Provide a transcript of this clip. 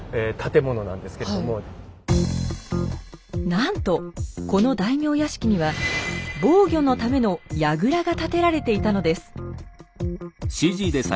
なんとこの大名屋敷には防御のためのやぐらが建てられていたのです。